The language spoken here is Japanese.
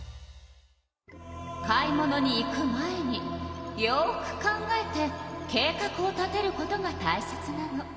買い物に行く前によく考えて計画を立てることがたいせつなの。